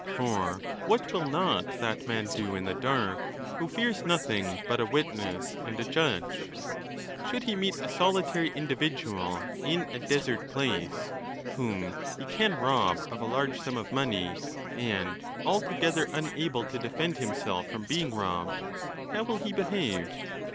For what will not that man do in the dark who fears nothing but a witness and a judge? Should he meet a solitary individual in a desert place, whom he can rob of a large sum of money, and altogether unable to defend himself from being robbed, how will he behave